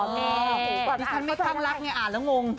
นี่ฉันไม่คลั่งรักไงอ่านแล้วงง